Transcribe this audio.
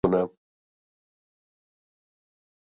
Costar una fortuna.